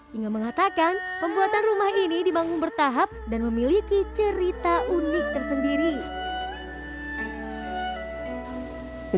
hingga mengatakan pembuatan rumah ini dibangun bertahap dan memiliki cerita unik tersendiri